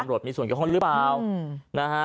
บ่อนรวดมีส่วนเกี่ยวของหรือเปล่า